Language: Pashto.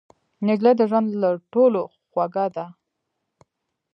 نجلۍ د ژوند له ټولو خوږه ده.